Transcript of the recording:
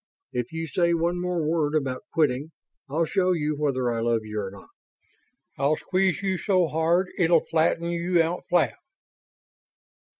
If you say one more word about quitting, I'll show you whether I love you or not I'll squeeze you so hard it'll flatten you out flat!"